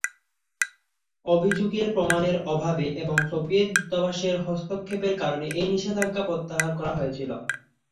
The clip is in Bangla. অভিযোগের প্রমাণের অভাবে এবং সোভিয়েত দূতাবাসের হস্তক্ষেপের কারণে এই নিষেধাজ্ঞা প্রত্যাহার করা হয়েছিল।